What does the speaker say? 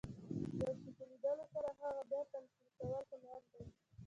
د یو شي په لیدلو سره هغه بیا تمثیل کول، هنر دئ.